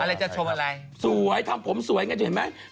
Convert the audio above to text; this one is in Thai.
อะไรจะชมอะไรสวยทำผมสวยไงเห็นไหม